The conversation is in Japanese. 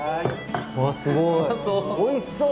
垢瓦おいしそう！